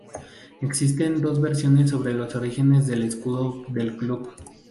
Existen dos versiones sobre los orígenes del escudo del club.